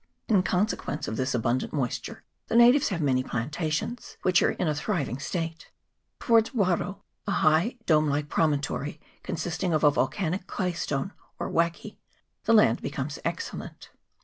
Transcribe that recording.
In conse quence of this abundant moisture the natives have many plantations, which are in a thriving state. Towards Waro, a high dome like promontory, con sisting of a volcanic clay stone, or wakke, the land CHAP. XIII.] MOUNT CARMEL. 211 becomes excellent.